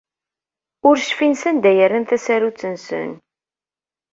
Ur cfin sanda ay rran tasarut-nsen.